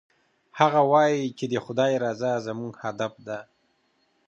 هغه وایي چې د خدای رضا زموږ هدف ده